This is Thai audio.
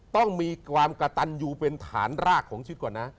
ต้องมีความกระตันยูเป็นฐานรากของชีวิตก่อนนะ